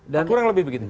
dan kurang lebih begitu